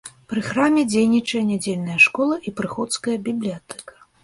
Пры храме дзейнічае нядзельная школа і прыходская бібліятэка.